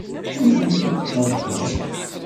Anda ay tent-tferseḍ?